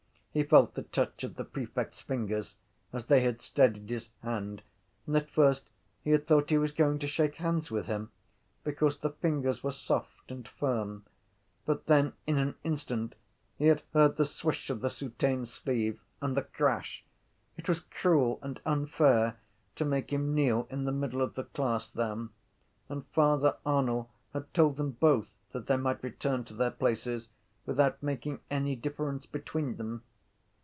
He felt the touch of the prefect’s fingers as they had steadied his hand and at first he had thought he was going to shake hands with him because the fingers were soft and firm: but then in an instant he had heard the swish of the soutane sleeve and the crash. It was cruel and unfair to make him kneel in the middle of the class then: and Father Arnall had told them both that they might return to their places without making any difference between them.